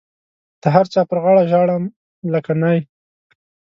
د هر چا پر غاړه ژاړم لکه نی.